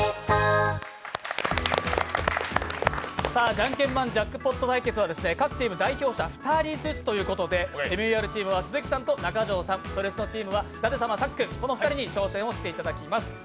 「ジャンケンマンジャックポット対決」は各チーム代表者２人ずつということでＭＥＲチームは鈴木さんと中条さん、「それスノ」チームは舘様、さっくん、この二人に挑戦をしていただきます。